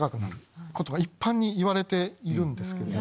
一般に言われているんですけど。